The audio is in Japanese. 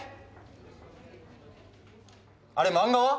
あれ漫画は？